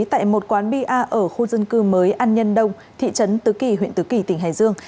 tại một quán bar ở khu dân cư mới an nhân đông thị trấn tứ kỳ huyện tứ kỳ tỉnh hải dương